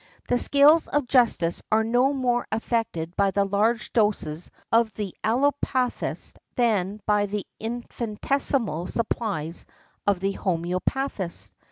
The scales of justice are no more affected by the large doses of the allopathist than by the infinitesimal supplies of the homœopathist.